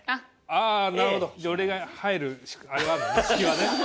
あなるほどじゃあ俺が入るあれはあるのね隙は。